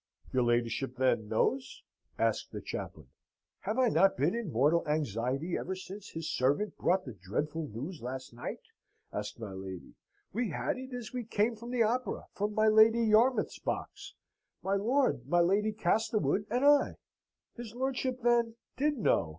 "Your ladyship, then, knows?" asked the chaplain. "Have I not been in mortal anxiety ever since his servant brought the dreadful news last night?" asked my lady. "We had it as we came from the opera from my Lady Yarmouth's box my lord, my Lady Castlewood, and I." "His lordship, then, did know?"